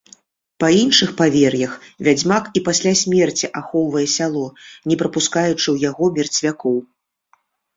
Па іншых павер'ях, вядзьмак і пасля смерці ахоўвае сяло, не прапускаючы ў яго мерцвякоў.